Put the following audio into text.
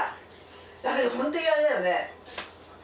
だけどほんとにあれだよね。